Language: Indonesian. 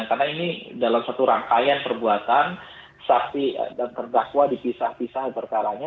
karena ini dalam satu rangkaian perbuatan sakti dan terdakwa dipisah pisah berkaranya